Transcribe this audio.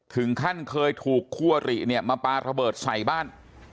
ถึงขั้นเคยถูกคู่อริเนี่ยมาปลาระเบิดใส่บ้าน